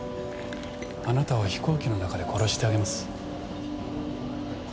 あなたを飛行機の中で殺してあげます。